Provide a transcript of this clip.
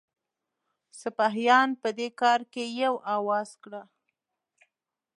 سپاهیان په دې کار کې یو آواز کړه.